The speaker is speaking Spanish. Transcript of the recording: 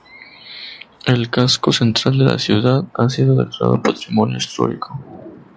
El casco central de la ciudad ha sido declarado patrimonio histórico.